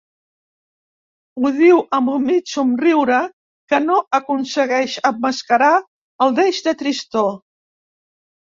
Ho diu amb un mig somriure que no aconsegueix emmascarar el deix de tristor.